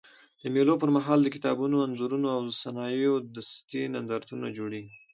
د مېلو پر مهال د کتابونو، انځورونو او صنایع دستي نندارتونونه جوړېږي.